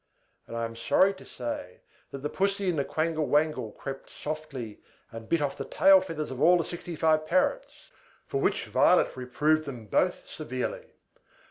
And I am sorry to say that the Pussy Cat and the Quangle Wangle crept softly, and bit off the tail feathers of all the sixty five parrots; for which Violet reproved them both severely.